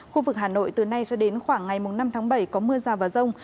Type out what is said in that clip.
khu vực hà nội từ nay cho đến khoảng ngày năm tháng bảy có mưa rào và rông